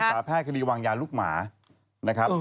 สารแพทย์คดีวางยาลูกหมานะครับ